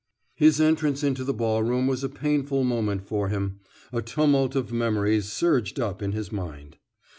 His entrance into the ballroom was a painful moment for him; a tumult of memories surged up in his mind.